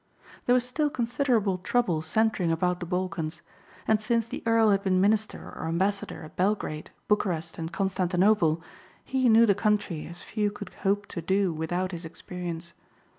There was still considerable trouble centering about the Balkans; and since the earl had been minister or ambassador at Belgrade, Bucharest and Constantinople he knew the country as few could hope to do without his experience.